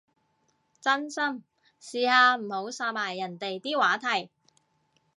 真心，試下唔好殺埋人哋啲話題